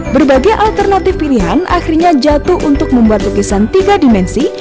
berbagai alternatif pilihan akhirnya jatuh untuk membuat lukisan tiga dimensi